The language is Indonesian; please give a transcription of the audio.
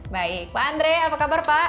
baik pak andre apa kabar pak